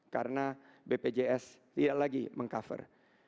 karena bpjs tidak lagi meng cover